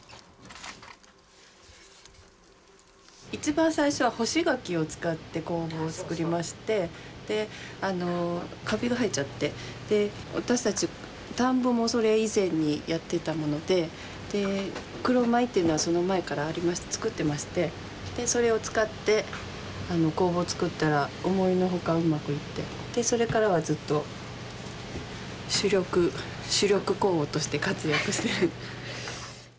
一番最初干し柿を使って酵母を作りましてであのカビが生えちゃって私たち田んぼもそれ以前にやってたもので黒米っていうのはその前から作ってましてそれを使って酵母を作ったら思いのほかうまくいってそれからはずっと主力酵母として活躍している。